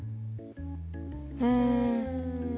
うん。